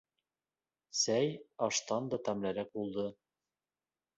Сәй аштан да тәмлерәк булды.